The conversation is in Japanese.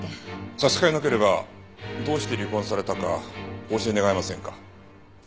差し支えなければどうして離婚されたかお教え願えませんか？